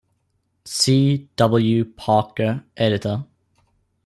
C. W. Parker, editor.